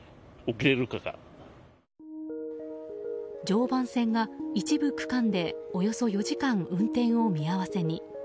常磐線が一部区間でおよそ４時間運転を見合わせに。